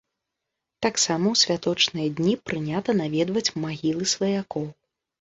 Таксама ў святочныя дні прынята наведваць магілы сваякоў.